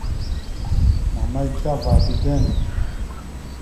Mama ike ava dideŋ.